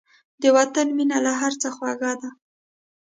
د وطن مینه له هر څه خوږه ده.